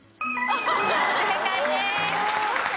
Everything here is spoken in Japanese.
正解です。